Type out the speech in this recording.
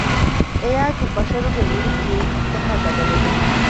އެއާއެކު ބަޝަރުގެ ރުޅި ދިޔައީ ހައްތަހާ ގަދަވެގެން